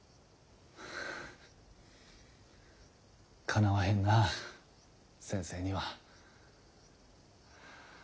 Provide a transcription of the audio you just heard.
かなわへんなぁ先生には。